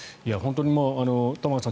玉川さん